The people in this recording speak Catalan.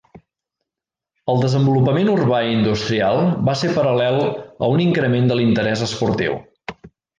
El desenvolupament urbà i industrial va ser paral·lel a un increment de l’interès esportiu.